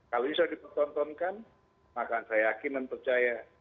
kalau bisa dipertontonkan maka saya yakin dan percaya